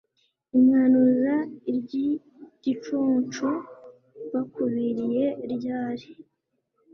Imwanuza iry' igicuncu, Bakubiriye ryari,